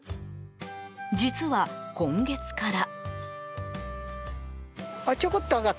実は、今月から。